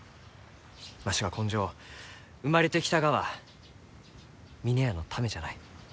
わしは今生生まれてきたがは峰屋のためじゃない。